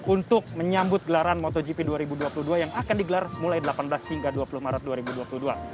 untuk menyambut gelaran motogp dua ribu dua puluh dua yang akan digelar mulai delapan belas hingga dua puluh maret dua ribu dua puluh dua